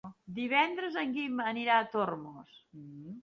Divendres en Guim anirà a Tormos.